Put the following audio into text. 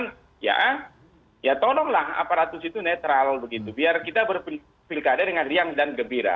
itu makanya kita katakan ya tolonglah aparatus itu netral begitu biar kita berpilkada dengan riang dan gembira